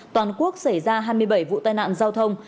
toàn quốc xảy ra hai mươi bảy vụ tai nạn giao thông